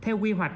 theo quy hoạch